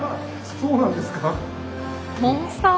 そうなんですね。